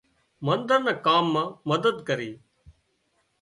منۮر نا ڪام مان مدد ڪري